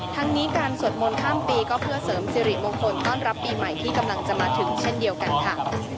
ทั้งนี้การสวดมนต์ข้ามปีก็เพื่อเสริมสิริมงคลต้อนรับปีใหม่ที่กำลังจะมาถึงเช่นเดียวกันค่ะ